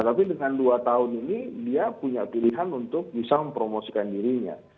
tapi dengan dua tahun ini dia punya pilihan untuk bisa mempromosikan dirinya